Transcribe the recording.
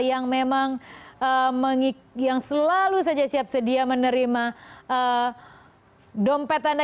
yang memang yang selalu saja siap sedia menerima dompet anda